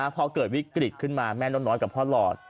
พอเกิดวิกฤตขึ้นมาแม่น้อยกับพ่อหลอด